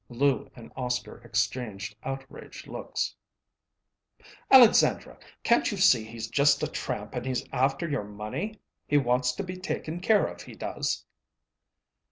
Lou and Oscar exchanged outraged looks. "Alexandra! Can't you see he's just a tramp and he's after your money? He wants to be taken care of, he does!"